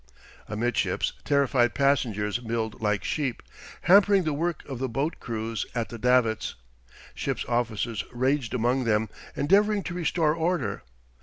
Amidships terrified passengers milled like sheep, hampering the work of the boat crews at the davits. Ship's officers raged among them, endeavouring to restore order.